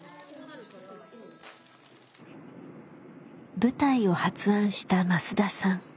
舞台を発案した増田さん。